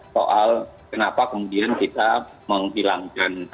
soal kenapa kemudian kita menghilangkan